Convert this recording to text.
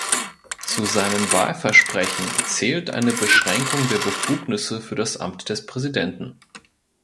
Zu seinen Wahlversprechen zählt eine Beschränkung der Befugnisse für das Amt des Präsidenten.